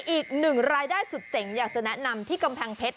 อีกหนึ่งรายได้สุดเจ๋งอยากจะแนะนำที่กำแพงเพชร